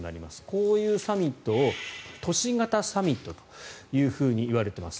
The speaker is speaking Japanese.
こういうサミットを都市型サミットというふうにいわれています。